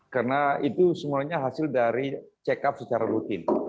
karena itu semuanya hasil dari check up secara rutin